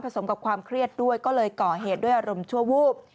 สมกับความเครียดด้วยก็เลยก่อเหตุด้วยอารมณ์ชั่ววูบ